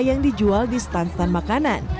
yang dijual di stan stan makanan